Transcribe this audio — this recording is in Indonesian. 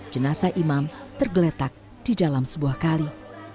jenasa imam tergeletak di dalam sebuah kali